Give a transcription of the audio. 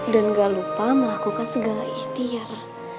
dan gak lupa melakukan segala ikhtiar